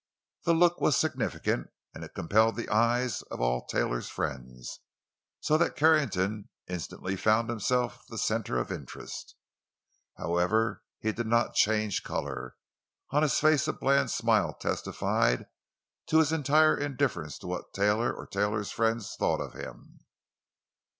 The look was significant, and it compelled the eyes of all of Taylor's friends, so that Carrington instantly found himself the center of interest. However, he did not change color; on his face a bland smile testified to his entire indifference to what Taylor or Taylor's friends thought of him.